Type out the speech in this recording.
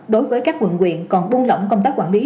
đối với các quận quyện còn buông lỏng công tác quản lý